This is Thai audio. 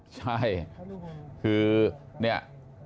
ใช่คือเนี่ย